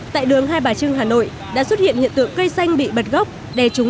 tại đường hai bà trưng hà nội đã xuất hiện nhận tượng cây xanh bị bật gốc